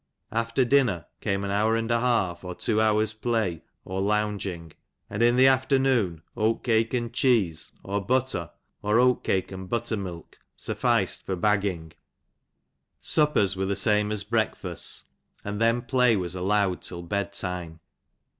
After dinner came an hour and a half, or two hours play, or lounging ; and in the afternoon, oat cake and cheese, or butter, or oat cake and butter milk, sufficed for bagging ; suppers X. were the same as breakfasts, and then play was allowed till bed time.